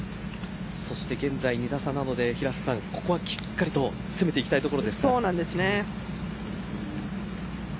そして現在２打差なのでここはきっかりと攻めてそうですね。